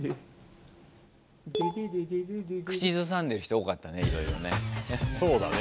口ずさんでる人多かったねいろいろね。